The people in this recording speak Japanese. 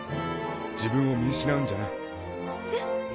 自分を見失うんじゃない。えっ？